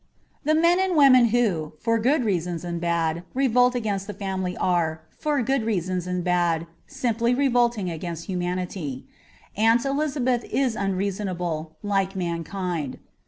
The men and women who, for good reasons and bad, revolt against the family are, for good reasons and bad, simply revolting against mankind. Aunt Elizabeth is unreasonable, like mankind.